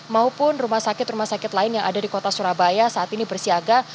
maupun rumah sakit rumah sakit lain yang ada di kota surabaya saat ini bersiaga